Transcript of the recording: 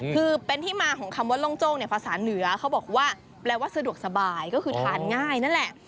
คือเป็นที่มาของคำว่าโล่งโจ้งเนี่ยภาษาเหนือเขาบอกว่าแปลว่าสะดวกสบายก็คือทานง่ายนั่นแหละ